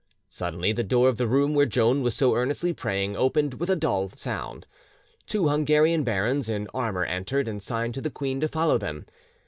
Suddenly the door of the room where Joan was so earnestly praying opened with a dull sound: two Hungarian barons in armour entered and signed to the queen to follow them.